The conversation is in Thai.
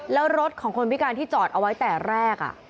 แล้วรถของคนพิการที่จอดเอาไว้แต่แรก